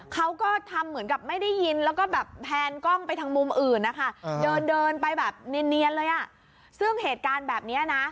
เขาก็ทำเหมือนกับไม่ได้ยินแล้วก็แบบแพนกล้องไปทางมุมอื่นนะคะเดินเดินไปแบบเนียนเลยอ่ะซึ่งเหตุการณ์แบบนี้นะ